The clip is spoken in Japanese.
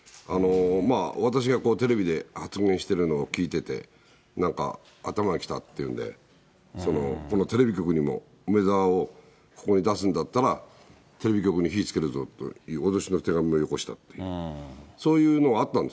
私がテレビで発言してるのを聞いてて、なんか頭に来たっていうんで、その、このテレビ局にも、梅沢をここに出すんだったらテレビ局に火つけるぞという脅しの手紙をよこしたって、そういうのがあったんです。